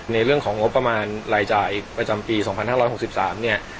ในเรื่องของงบประมาณรายจ่ายประจำปี๒๕๖๓เนี่ย